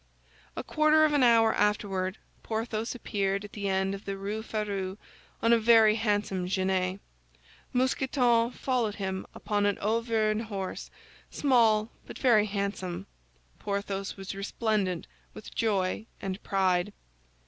A quarter of an hour afterward Porthos appeared at the end of the Rue Férou on a very handsome genet. Mousqueton followed him upon an Auvergne horse, small but very handsome. Porthos was resplendent with joy and pride.